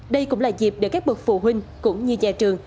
đây cũng là dịp để các bậc phụ huynh cũng như nhà trường